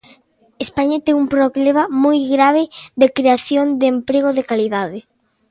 España ten un problema moi grave de creación de emprego de calidade.